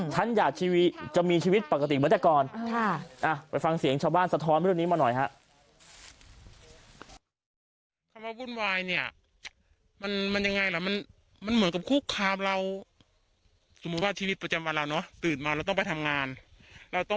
ฉันอยากจะมีชีวิตปกติเหมือนแต่ก่อน